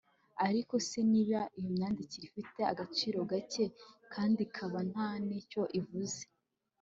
ariko se niba iyo myandikire ifite agaciro gake kandi ikaba nta n'icyo ivuze